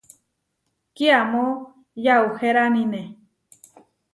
Kiamó yauheránine.